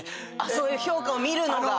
そういう評価を見るのが？